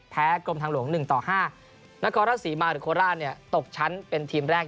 แพ้กลมทางหลวง๑๕นาคอร์ลาศรีมารหรือโคลาตกชั้นเป็นทีมแรก